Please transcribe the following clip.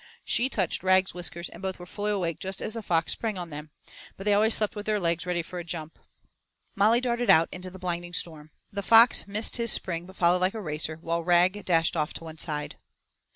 She touched Rag's whiskers, and both were fully awake just as the fox sprang on them; but they always slept with their legs ready for a jump. Molly darted out into the blinding storm. The fox missed his spring but followed like a racer, while Rag dashed off to one side.